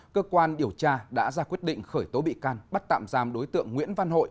cơ quan điều tra đã ra quyết định khởi tố bị can bắt tạm giam đối tượng nguyễn văn hội